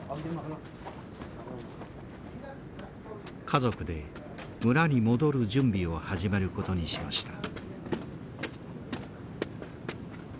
家族で村に戻る準備を始めることにしました。